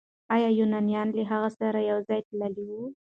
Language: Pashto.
آیا ایوانان له هغه سره یو ځای تللي وو؟